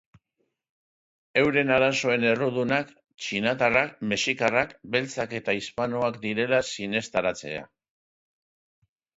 Euren arazoen errudunak txinatarrak, mexikarrak, beltzak eta hispanoak direla sinestaraztea.